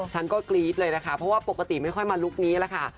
ฉันก็กรี๊ดเลยนะคะเพราะว่าปกติไม่ค่อยมาลุคนี้แหละค่ะ